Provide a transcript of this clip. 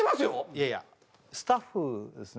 いやいやスタッフですね